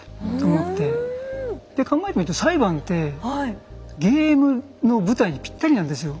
で考えてみると裁判ってゲームの舞台にぴったりなんですよ。